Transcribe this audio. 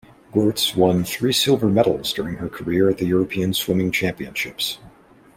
Geurts won three silver medals during her career at the European Swimming Championships.